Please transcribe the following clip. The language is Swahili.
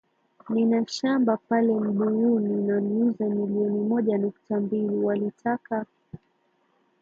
Nina shamba pale Mbuyuni naliuza milioni moja nukta mbili. Walitaka?